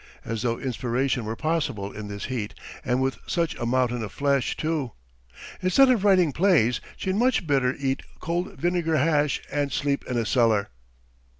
As though inspiration were possible in this heat and with such a mountain of flesh, too! Instead of writing plays she'd much better eat cold vinegar hash and sleep in a cellar.